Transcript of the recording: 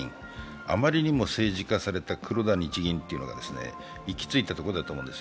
あまりにも政治化された黒田日銀の行き着いたところだと思います。